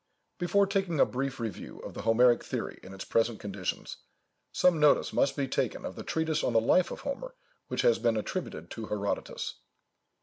Before taking a brief review of the Homeric theory in its present conditions, some notice must be taken of the treatise on the Life of Homer which has been attributed to Herodotus.